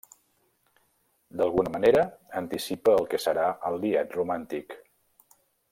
D'alguna manera, anticipa el que serà el lied romàntic.